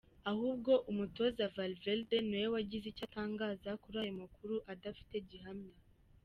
Ahubwo umutoza Valverde ni we wagize icyo atangaza kuri ayo makuru adafite gihamya.